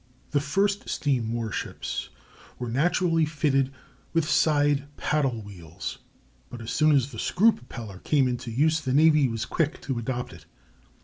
The first steam war ships were naturally fitted with side paddle wheels; but as soon as the screw propeller came into use the navy was quick to adopt it.